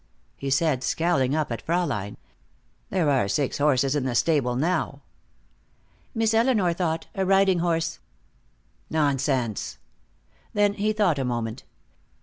he said, scowling up at Fraulein. "There are six horses in the stable now." "Miss Elinor thought a riding horse " "Nonsense!" Then he thought a moment.